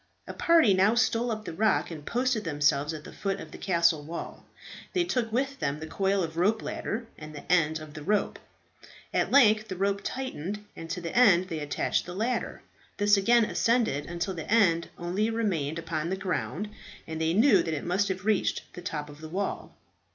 A party now stole up the rock, and posted themselves at the foot of the castle wall. They took with them the coil of rope ladder and the end of the rope. At length the rope tightened, and to the end they attached the ladder. This again ascended until the end only remained upon the ground, and they knew that it must have reached the top of the wall.